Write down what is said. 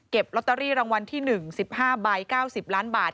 ลอตเตอรี่รางวัลที่๑๑๕ใบ๙๐ล้านบาท